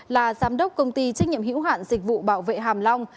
là giám đốc công ty trách nhiệm hữu hạn dịch vụ bảo vệ hàm long